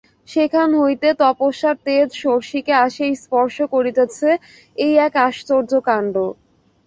সেখান হইতে তপস্যার তেজ ষোড়শীকে আসিয়া স্পর্শ করিতেছে, এই এক আশ্চর্য কাণ্ড।